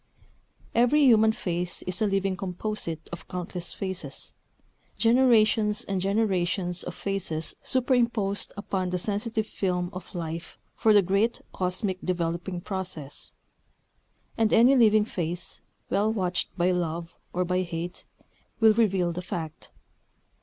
Every human face is a living composite of countless faces, generations and generations of faces superimposed upon the sensitive film of Life for the great cosmic developing process. And any living face, well watched by love or by hate, will reveal the fact.